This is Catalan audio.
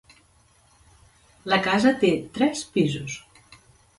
La casa té tres pisos.